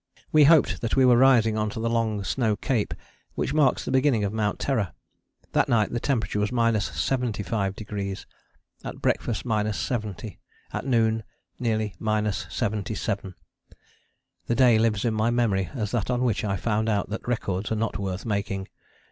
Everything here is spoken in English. We hoped that we were rising on to the long snow cape which marks the beginning of Mount Terror. That night the temperature was 75°; at breakfast 70°; at noon nearly 77°. The day lives in my memory as that on which I found out that records are not worth making.